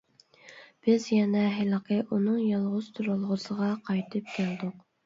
بىز يەنە ھېلىقى ئۇنىڭ يالغۇز تۇرالغۇسىغا قايتىپ كەلدۇق.